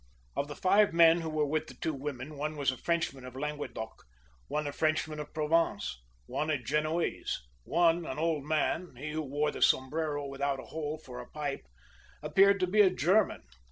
Of the five men who were with the two women, one was a Frenchman of Languedoc, one a Frenchman of Provence, one a Genoese; one, an old man, he who wore the sombrero without a hole for a pipe, appeared to be a German.